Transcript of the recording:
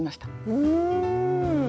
うん！